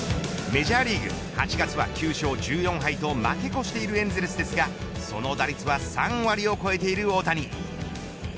メジャーリーグ８月は９勝１４敗と負け越しているエンゼルスですがその打率は３割を超えている大谷。